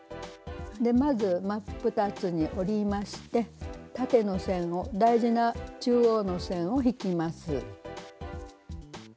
まず真っ二つに折りまして縦の線を大事な中央の線を引きます。